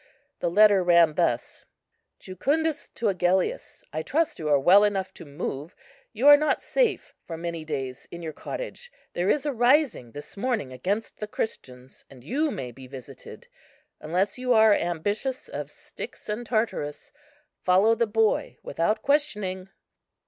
The letter ran thus:—"Jucundus to Agellius. I trust you are well enough to move; you are not safe for many days in your cottage; there is a rising this morning against the Christians, and you may be visited. Unless you are ambitious of Styx and Tartarus, follow the boy without questioning."